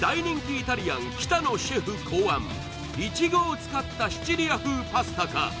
イタリアン北野シェフ考案いちごを使ったシチリア風パスタか？